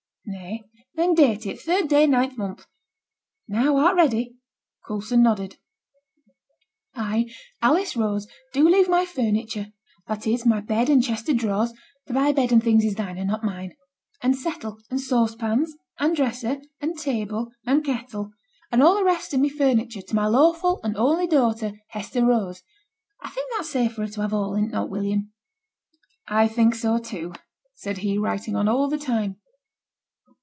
'Nay.' 'Then date it third day, ninth month. Now, art ready?' Coulson nodded. 'I, Alice Rose, do leave my furniture (that is, my bed and chest o' drawers, for thy bed and things is thine, and not mine), and settle, and saucepans, and dresser, and table, and kettle, and all the rest of my furniture, to my lawful and only daughter, Hester Rose. I think that's safe for her to have all, is 't not, William?' 'I think so, too,' said he, writing on all the time.